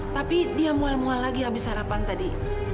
tapi dia mual mual lagi abis sarapan tadi